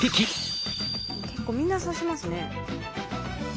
結構みんな刺しますね。